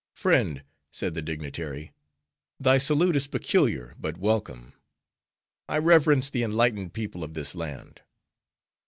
"Friend," said the dignitary, "thy salute is peculiar, but welcome. I reverence the enlightened people of this land."